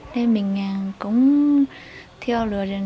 thế mình cũng thiêu được